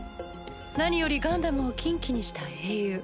何よりガンダムを禁忌にした英雄。